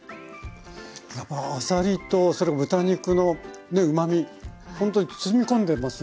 やっぱあさりと豚肉のうまみほんとに包み込んでますね。